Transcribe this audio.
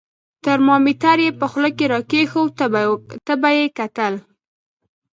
ترمامیتر یې په خوله کې را کېښود، تبه یې کتل.